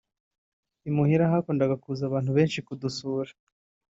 Imuhira hakundaga kuza abantu benshi kudusura